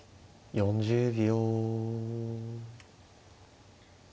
４０秒。